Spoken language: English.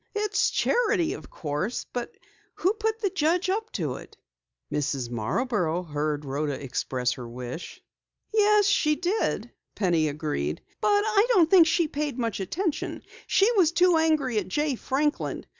"It's charity, of course. But who put the judge up to it?" "Mrs. Marborough heard Rhoda express her wish." "Yes, she did," Penny agreed, "but I don't think she paid much attention. She was too angry at Jay Franklin.